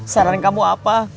saran kamu apa